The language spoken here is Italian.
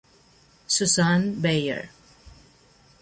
Susanne Beyer